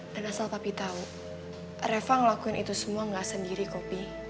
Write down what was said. dan asal papi tau reva ngelakuin itu semua gak sendiri kopi